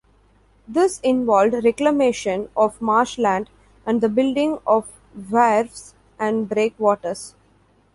This involved reclamation of marshland and the building of wharves and breakwaters.